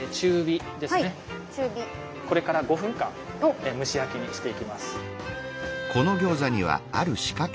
これから５分間蒸し焼きにしていきます。